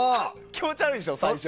気持ち悪いでしょ、最初。